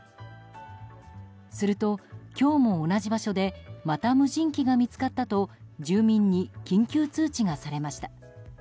すると、今日も同じ場所でまた無人機が見つかったと住民に緊急通知がされました。